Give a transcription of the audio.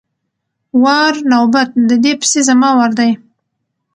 وار= نوبت، د دې پسې زما وار دی!